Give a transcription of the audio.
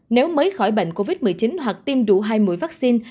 nếu mới khỏi bệnh covid một mươi chín hoặc tiêm đủ hai mũi vaccine